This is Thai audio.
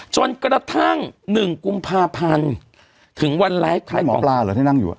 จนกระทั่งหนึ่งกุมภาพันธ์ถึงวันไร้ขายกล่องหมอปลาเหรอที่นั่งอยู่